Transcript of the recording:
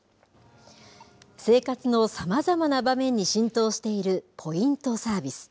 生活のさまざまな場面に浸透しているポイントサービス。